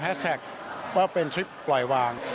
แฮชแท็กว่าเป็นทริปปล่อยวาง